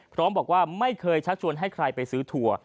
พร้อมบอกว่าไม่เคยชักชวนให้ใครไปซื้อถั่ว